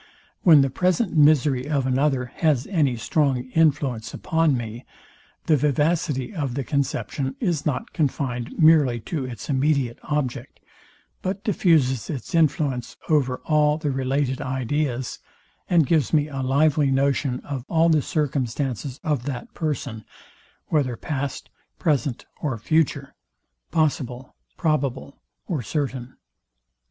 When the present misery of another has any strong influence upon me, the vivacity of the conception is not confined merely to its immediate object, but diffuses its influence over all the related ideas, and gives me a lively notion of all the circumstances of that person, whether past, present, or future; possible, probable or certain.